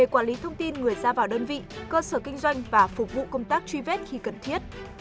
cho đơn vị cơ sở kinh doanh và phục vụ công tác truy vết khi cần thiết